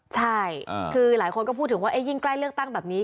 ใช่คือหลายคนก็พูดถึงว่ายิ่งใกล้เลือกตั้งแบบนี้